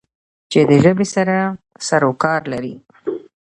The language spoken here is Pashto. چې د ژبې سره سرو کار لری